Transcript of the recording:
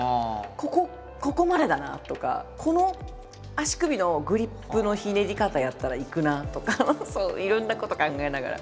ここここまでだなとかこの足首のグリップのひねり方やったらいくなとかいろんなこと考えながら。